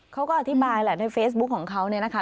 เขาก็อธิบายแหละในเฟซบุ๊คของเขาเนี่ยนะคะ